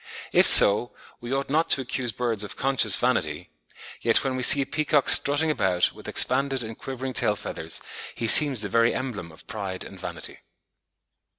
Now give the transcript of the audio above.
If so, we ought not to accuse birds of conscious vanity; yet when we see a peacock strutting about, with expanded and quivering tail feathers, he seems the very emblem of pride and vanity.